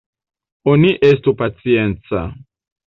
Oni estu pacienca!